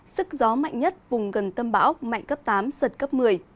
sức gió mạnh nhất vùng gần tâm bão mạnh cấp tám giật cấp một mươi